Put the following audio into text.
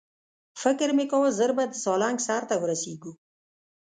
فکر مې کاوه ژر به د سالنګ سر ته ورسېږو.